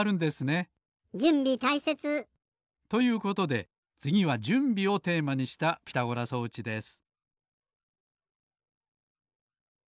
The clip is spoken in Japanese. じゅんびたいせつ。ということでつぎはじゅんびをテーマにしたピタゴラ装置です。